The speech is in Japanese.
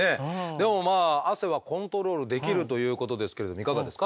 でもまあ汗はコントロールできるということですけれどいかがですか？